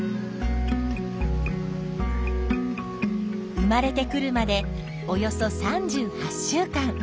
生まれてくるまでおよそ３８週間。